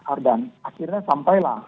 ardan akhirnya sampailah